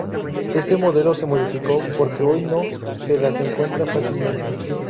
Ese modelo se modificó porque hoy no se las encuentra fácilmente.